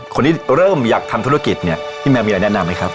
คนที่เริ่มอยากทำธุรกิจเนี่ยพี่แมวมีอะไรแนะนำไหมครับ